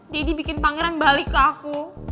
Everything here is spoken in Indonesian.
deddy bikin pangeran balik ke aku